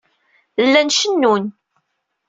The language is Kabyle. Llan cennun.